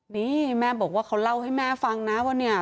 นี่แม่บอกว่าเขาเล่าให้แม่ฟังนะว่าเนี่ย